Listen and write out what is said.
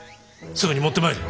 すぐに持ってまいれ。